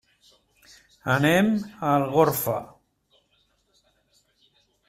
Anem a Algorfa.